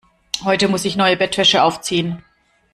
Heute muss ich neue Bettwäsche aufziehen.